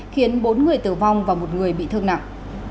khiến bốn người tử vong và một người bị thương nặng